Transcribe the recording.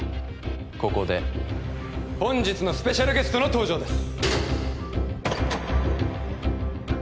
ここで本日のスペシャルゲストの登場です